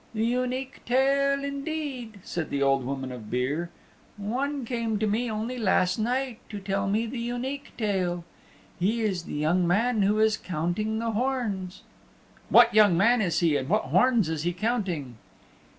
"The Unique Tale, indeed," said the Old Woman of Beare. "One came to me only last night to tell me the Unique Tale. He is the young man who is counting the horns." "What young man is he and what horns is he counting?"